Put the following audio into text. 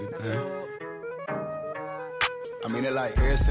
buat minta alaman segala ya